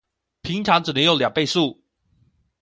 平常只能用兩倍速